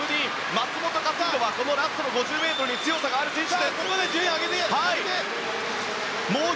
松元克央はラストの５０ｍに強さがある選手。